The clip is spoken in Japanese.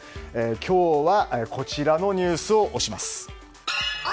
今日は、こちらのニュースを推します。